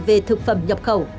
về thực phẩm nhập khẩu